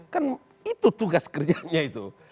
kan itu tugas kerjanya itu